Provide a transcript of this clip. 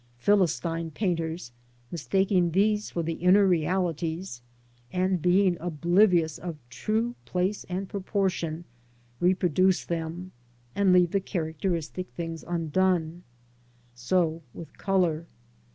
Philistine painters, mistaking these for the inner realities, and being oblivious of true place and proportion, reproduce them, and leave the characteristic things undone. So with colour.